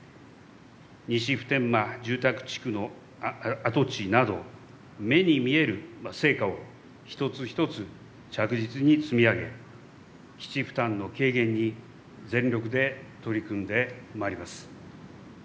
西普天間住宅地区跡地など目に見える成果を一つ一つ着実に積み上げ基地負担の軽減に全力で取り組んでまいります。